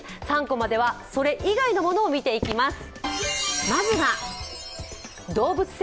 「３コマ」ではそれ以外のものを見ていきます。